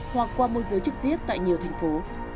hoặc qua môi giới trực tiếp tại nhiều thành phố